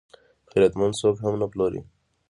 غیرتمند څوک هم نه پلوري